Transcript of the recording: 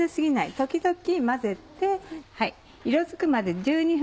時々混ぜて。